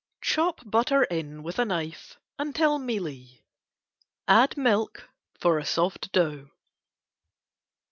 Chop butter in with a knife until mealy. Add milk for a soft dough.